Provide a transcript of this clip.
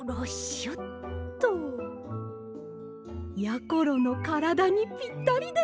しょっと。やころのからだにぴったりです！